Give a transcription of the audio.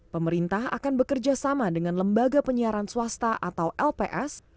pemerintah akan bekerja sama dengan lembaga penyiaran swasta atau lps